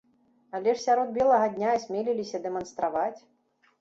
Але ж сярод белага дня асмеліліся дэманстраваць.